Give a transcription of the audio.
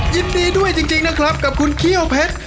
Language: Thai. ยินดีด้วยจริงนะครับกับคุณเขี้ยวเพชร